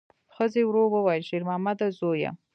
ښځې ورو وویل: شېرمامده زویه!